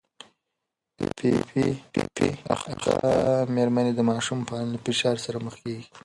پي پي پي اخته مېرمنې د ماشوم پالنې له فشار سره مخ کېږي.